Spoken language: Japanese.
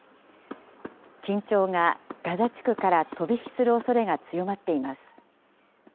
緊張がガザ地区から飛び火するおそれが強まっています。